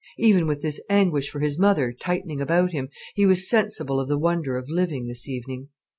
Even with this anguish for his mother tightening about him, he was sensible of the wonder of living this evening.